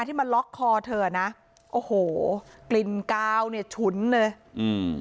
ที่มาล็อกคอเธอนะโอ้โหกลิ่นกาวเนี่ยฉุนเลยอืม